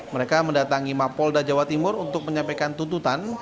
mereka mendatangi mapolda jawa timur untuk menyampaikan tuntutan